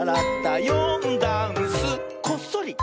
「よんだんす」「こっそり」！